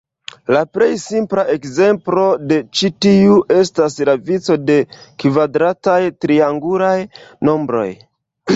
La plej simpla ekzemplo de ĉi tiu estas la vico de kvadrataj triangulaj nombroj.